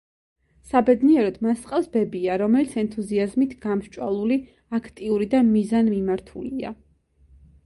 საბედნიეროდ, მას ჰყავს ბებია, რომელიც ენთუზიაზმით გამსჭვალული, აქტიური და მიზანმიმართულია.